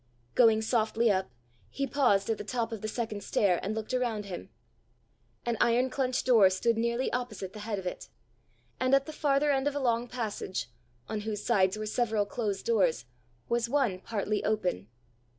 Going softly up, he paused at the top of the second stair, and looked around him. An iron clenched door stood nearly opposite the head of it; and at the farther end of a long passage, on whose sides were several closed doors, was one partly open.